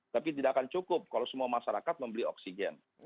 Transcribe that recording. tapi tidak akan cukup kalau semua masyarakat membeli oksigen